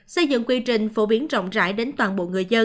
xây dựng quy trình phổ biến rộng ràng